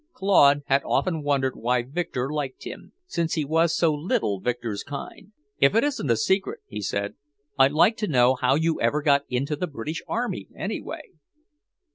Claude had often wondered why Victor liked him, since he was so little Victor's kind. "If it isn't a secret," he said, "I'd like to know how you ever got into the British army, anyway."